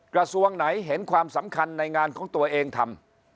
กระทรวงไหนเห็นความสำคัญในงานของตัวเองทำ